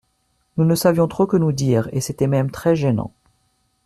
Nous ne savions trop que nous dire, Et c’était même très gênant !